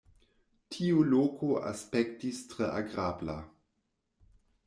Tiu loko aspektis tre agrabla..